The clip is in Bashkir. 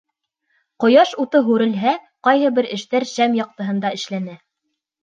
Ҡояш уты һүрелһә, ҡайһы бер эштәр шәм яҡтыһында эшләнә.